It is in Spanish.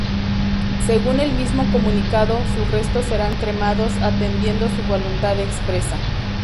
Según el mismo comunicado, sus restos serán cremados "atendiendo su voluntad expresa".